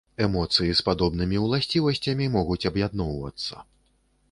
Эмоцыі з падобнымі уласцівасцямі могуць аб'ядноўвацца.